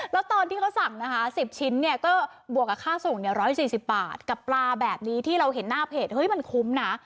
แล้วตอนที่เขาสั่งนะคะ๑๐ชิ้นเนี่ยก็บวกกับค่าส่งเนี่ย๑๔๐บาทกับปลาแบบนี้ที่เราเห็นหน้าเพจเฮ้ยมันคุ้มนะ